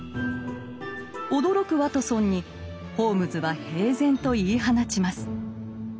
驚くワトソンにホームズは平然と言い放ちます。